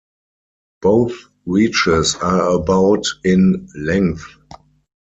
Both reaches are about in length.